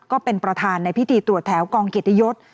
ก็เป็นประธานในพิธีตรวจแถวกองเกียรติยศ